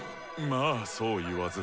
まあそう言わず。